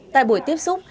tại buổi tiếp xúc